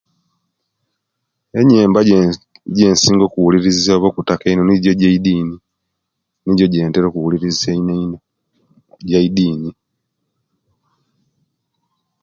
Enyembo ejensinga okubuliriza oba okutaka eino nijo ejeidini nijo ejentera okubuliriza eino ejeidini